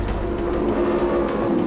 kita harus berhenti